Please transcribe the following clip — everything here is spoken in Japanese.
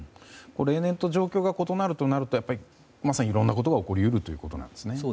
例年と状況が異なるとなるといろんなことが起こり得るということなんですね。